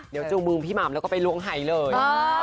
เดี๋ยวจูงมือพี่หม่ำแล้วก็ไปล้วงไฮเลย